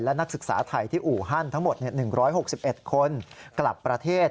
และนักศึกษาไทยที่อู่ฮั่นทั้งหมด๑๖๑คนกลับประเทศ